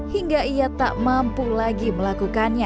hingga ia tak mampu lagi melakukannya